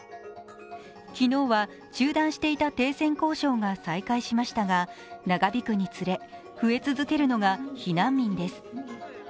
昨日は中断していた停戦交渉が再開しましたが長引くにつれ、増え続けるのが避難民です。